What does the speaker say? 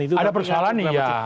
itu ada persoalan ya